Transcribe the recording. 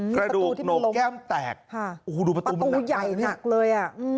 กระดูกโหนกแก้มแตกโอ้โหดูประตูมันตัวใหญ่หนักเลยอ่ะ